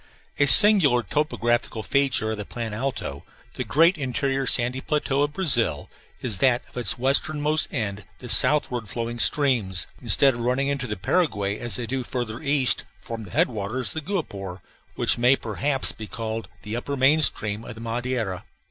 A singular topographical feature of the Plan Alto, the great interior sandy plateau of Brazil, is that at its westernmost end the southward flowing streams, instead of running into the Paraguay as they do farther east, form the headwaters of the Guapore, which may, perhaps, be called the upper main stream of the Madeira.